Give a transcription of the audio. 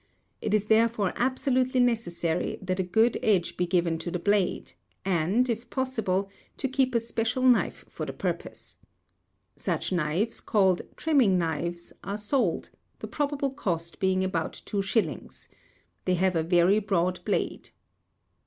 It is therefore absolutely necessary that a good edge be given to the blade, and, if possible, to keep a special knife for the purpose. Such knives, called trimming knives, are sold, the probable cost being about two shillings. They have a very broad blade.